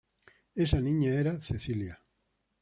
Esa niña era Cecilia.